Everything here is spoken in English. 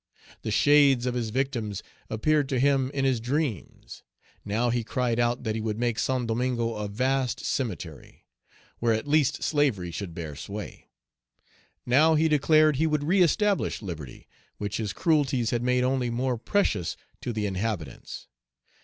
The shades of his victims appeared to him in his dreams. Now he cried out that he would make Saint Domingo a vast cemetery, where at least slavery should bear sway. Now he declared he would reëstablish liberty, which his cruelties had made only more precious to the inhabitants.